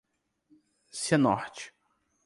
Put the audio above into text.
Cianorte